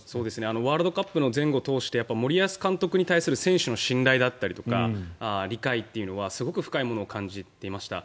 ワールドカップの前後を通して森保監督に対する選手の信頼だったりとか理解というのはすごく深いものを感じていました。